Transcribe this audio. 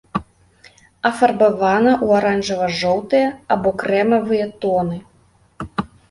Афарбавана ў аранжава-жоўтыя або крэмавыя тоны.